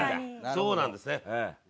そうなんですね。